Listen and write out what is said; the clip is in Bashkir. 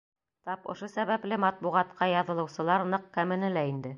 Тап ошо сәбәпле матбуғатҡа яҙылыусылар ныҡ кәмене лә инде.